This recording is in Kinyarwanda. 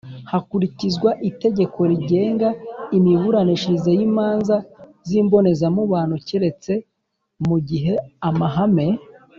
hakurikizwa itegeko rigenga imiburanishirize y imanza z imbonezamubano keretse mu gihe amahame